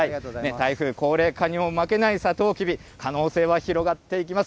台風、高齢化にも負けないさとうきび、可能性は広がっていきます。